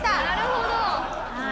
なるほど。